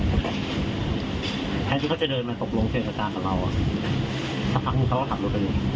แค่ที่เขาจะเดินมาตกลงเทพศาสตร์กับเราสักพักเขาก็ขับรถไปดู